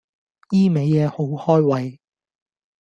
依味野好開胃